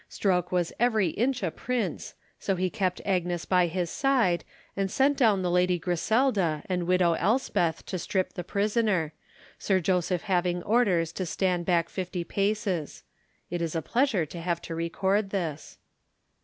Stroke was every inch a prince, so he kept Agnes by his side, and sent down the Lady Griselda and Widow Elspeth to strip the prisoner, Sir Joseph having orders to stand back fifty paces. (It is a pleasure to have to record this.)